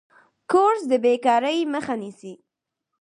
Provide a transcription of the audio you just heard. کورس د بیکارۍ مخه نیسي.